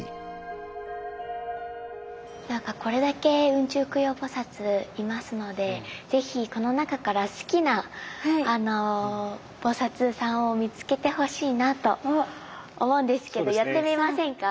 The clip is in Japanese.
これだけ雲中供養菩いますので是非この中から好きな菩さんを見つけてほしいなと思うんですけどやってみませんか？